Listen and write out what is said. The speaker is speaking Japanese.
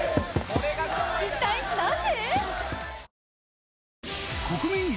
一体なぜ？